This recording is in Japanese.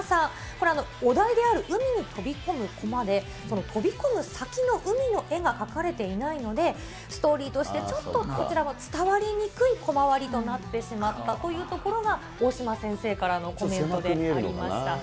これ、お題である海に飛び込むコマで、飛び込む先の海の絵が描かれていないので、ストーリーとしてちょっとこちらも伝わりにくいコマ割りとなってしまったというところが、大島先生からのコメントでありました。